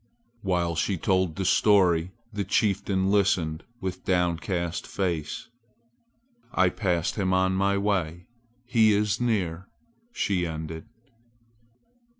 While she told the story the chieftain listened with downcast face. "I passed him on my way. He is near!" she ended.